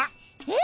え？